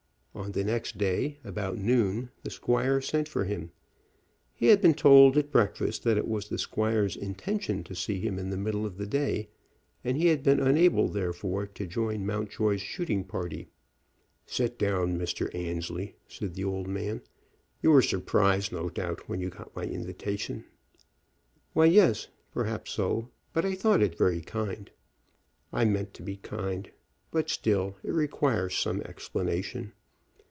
On the next day, about noon, the squire sent for him. He had been told at breakfast that it was the squire's intention to see him in the middle of the day, and he had been unable, therefore, to join Mountjoy's shooting party. "Sit down, Mr. Annesley," said the old man. "You were surprised, no doubt, when you got my invitation?" "Well, yes; perhaps so; but I thought it very kind." "I meant to be kind; but still, it requires some explanation.